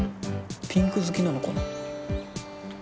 ピンク好きなのかな？